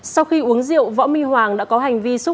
sau khi uống rượu võ my hoàng đã có hành vi vi phạm pháp luật